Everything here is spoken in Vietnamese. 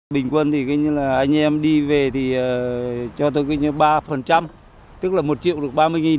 bình quân thì anh em đi về thì cho tôi ba tức là một triệu được ba mươi